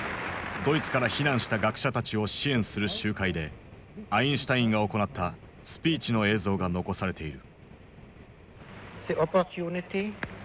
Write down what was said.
ドイツから避難した学者たちを支援する集会でアインシュタインが行ったスピーチの映像が残されている。